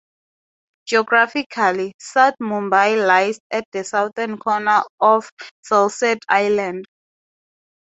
Geographically, South Mumbai lies at the southern corner of Salsette Island.